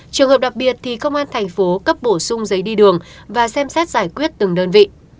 trường hợp đặc biệt thì công an thành phố cấp bổ sung giấy đi đường và xem xét giải quyết từng đơn vị